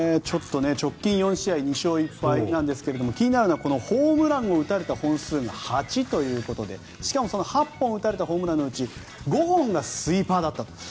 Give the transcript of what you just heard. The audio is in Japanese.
直近４試合２勝１敗なんですが気になるのはホームランを打たれた本数が８ということでしかも８本打たれたホームランのうち５本がスイーパーだったと。